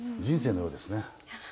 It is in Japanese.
人生のようですね。